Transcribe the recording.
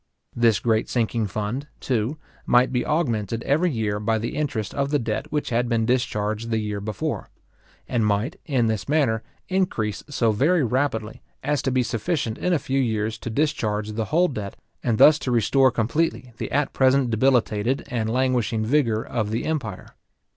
This great sinking fund, too, might be augmented every year by the interest of the debt which had been discharged the year before; and might, in this manner, increase so very rapidly, as to be sufficient in a few years to discharge the whole debt, and thus to restore completely the at present debilitated and languishing vigour of the empire.